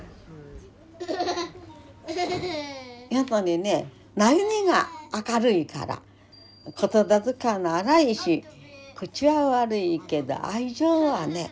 やっぱりね真由美が明るいから言葉遣いも荒いし口は悪いけど愛情はね